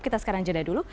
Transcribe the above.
kita sekarang jadah dulu